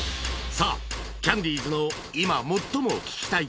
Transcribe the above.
さあキャンディーズの今最も聴きたい曲